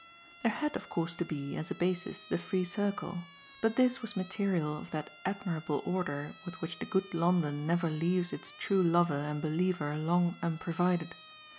There had of course to be, as a basis, the free circle, but this was material of that admirable order with which the good London never leaves its true lover and believer long unprovided.